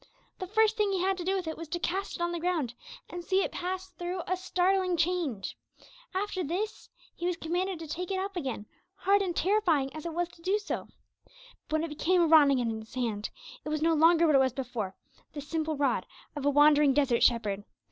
The first thing he had to do with it was to 'cast it on the ground,' and see it pass through a startling change. After this he was commanded to take it up again, hard and terrifying as it was to do so. But when it became again a rod in his hand, it was no longer what it was before, the simple rod of a wandering desert shepherd.